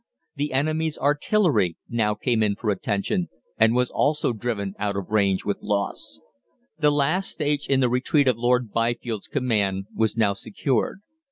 The enemy's artillery now came in for attention, and also was driven out of range with loss. The last stage in the retreat of Lord Byfield's command was now secured.